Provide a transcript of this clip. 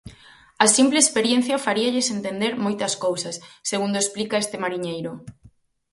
A simple experiencia faríalles entender moitas cousas, segundo explica este mariñeiro.